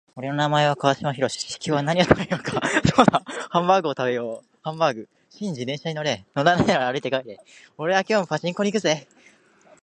俺の名前は川島寛。今日は何を食べようか。そうだハンバーグを食べよう。ハンバーグ。シンジ、電車に乗れ。乗らないなら歩いて帰れ。俺は今日もパチンコに行くぜ。